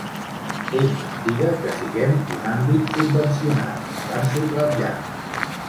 És mentida que siguem un àmbit subvencionat –van subratllar—.